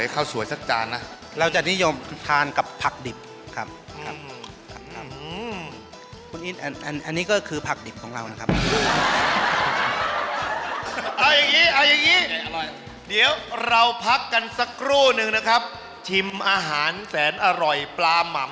ข้าวสวยข้าวสวยสักจานนะ